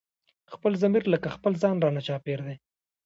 خپل ضمير لکه خپل ځان رانه چاپېر دی